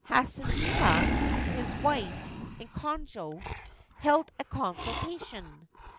Hasunuma, his wife, and Konojo held a consultation.